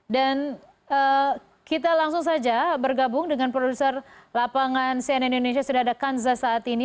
dan kita langsung saja bergabung dengan produser lapangan cnn indonesia sudah ada kanza saat ini